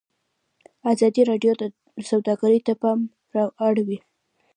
ازادي راډیو د سوداګري ته پام اړولی.